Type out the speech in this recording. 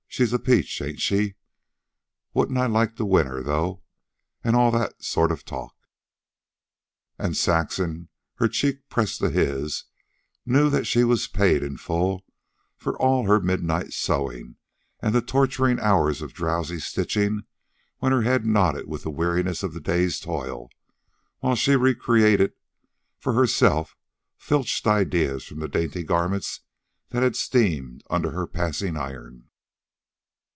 She's a peach, ain't she? Wouldn't I like to win her, though.' And all that sort of talk." And Saxon, her cheek pressed to his, knew that she was paid in full for all her midnight sewings and the torturing hours of drowsy stitching when her head nodded with the weariness of the day's toil, while she recreated for herself filched ideas from the dainty garments that had steamed under her passing iron.